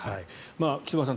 菊間さん